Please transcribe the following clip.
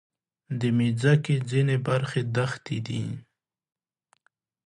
د مځکې ځینې برخې دښتې دي.